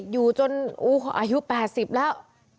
อยู่จนอายุ๘๐แล้ว